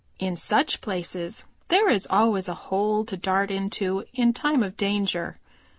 In such places there is always a hole to dart into in time of danger.